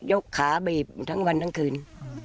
ก็ยกขาไปหยิบทั้งวันทั้งคืน